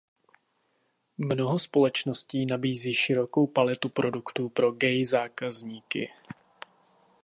Mnoho společností nabízí širokou paletu produktů pro gay zákazníky.